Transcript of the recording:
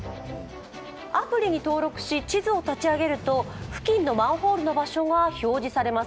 アプリに登録し、地図を立ち上げると付近のマンホールの場所が表示されます。